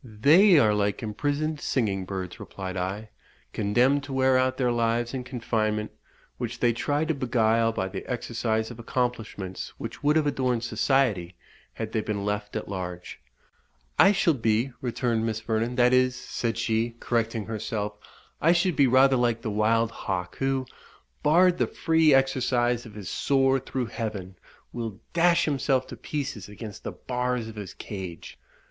"They are like imprisoned singing birds," replied I, "condemned to wear out their lives in confinement, which they try to beguile by the exercise of accomplishments which would have adorned society had they been left at large." "I shall be," returned Miss Vernon "that is," said she, correcting herself "I should be rather like the wild hawk, who, barred the free exercise of his soar through heaven, will dash himself to pieces against the bars of his cage.